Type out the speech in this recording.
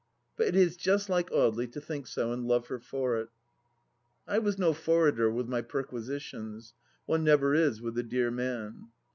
But it is just like Audely to think so and love her for it. I was no forrader with my perquisitions. One never is with the dear man.